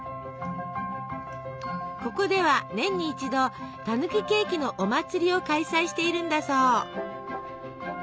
ここでは年に一度たぬきケーキのお祭りを開催しているんだそう。